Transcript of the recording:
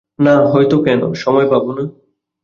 না, হয়তো কেন, সময় পাব না।